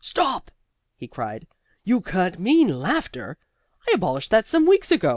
"Stop!" he cried. "You can't mean laughter? I abolished that some weeks ago.